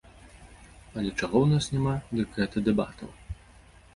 Але чаго ў нас няма, дык гэта дэбатаў.